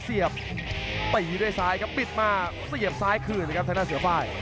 เสียบปีดด้วยซ้ายครับปิดมาเสียบซ้ายคืนครับแทนหน้าเสือฝ้าย